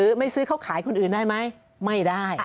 ไม่ซื้อเขาขายคนอื่นได้ไหมไม่ได้